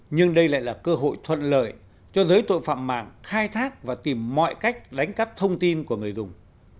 nhưng đây lại là cơ hội thuận lợi cho giới tội phạm mạng khai thác và tìm mọi cách đánh cắp thông tin của người dùng